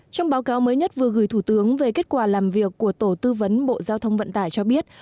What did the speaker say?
trong báo cáo mới nhất vừa gửi thủ tướng về kết quả làm việc của tổ tư vấn bộ giao thông vận tải cho biết